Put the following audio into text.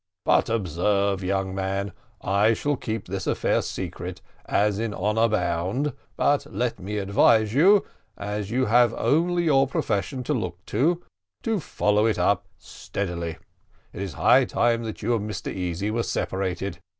"But observe, young man, I shall keep this affair secret, as in honour bound; but let me advise you, as you have only your profession to look to, to follow it up steadily. It is high time that you and Mr Easy were separated.